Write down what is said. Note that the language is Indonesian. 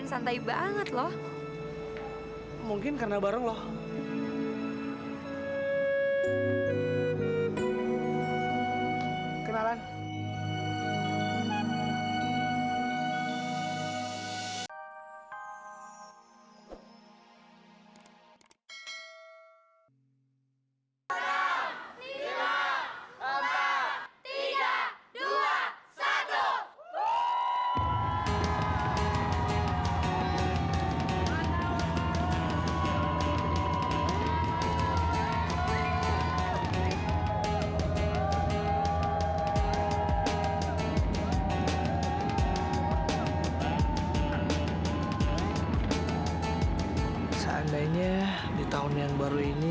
sampai jumpa di video selanjutnya